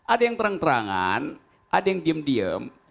ada yang terang terangan ada yang diem diem